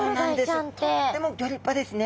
とってもギョ立派ですね。